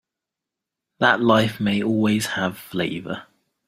That life may always have flavor.